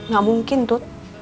gak mungkin tut